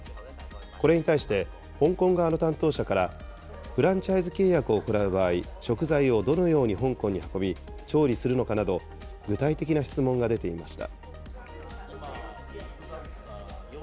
これに対して、香港側の担当者から、フランチャイズ契約を行う場合、食材をどのように香港に運び、調理するのかなど、具体的な質問が出ていました。